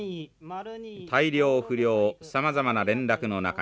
大漁不漁さまざまな連絡の中に